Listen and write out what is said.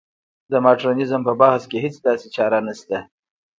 د مډرنیزم په بحث کې هېڅ داسې چاره نشته.